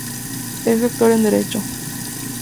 Es Doctor en Derecho.